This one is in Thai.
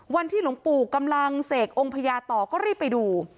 วันที่หลวงปู่กำลังเสกองค์พญาต่อก็รีบไปดู